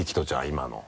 今の。